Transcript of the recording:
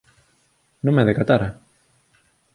_Non me decatara.